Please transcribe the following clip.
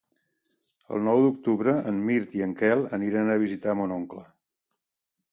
El nou d'octubre en Mirt i en Quel aniran a visitar mon oncle.